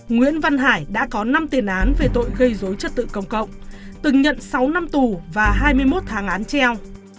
nguyễn văn hải đã có năm tiền án về tội gây dối trật tự công cộng từng nhận sáu năm tù và hai mươi một tháng án treo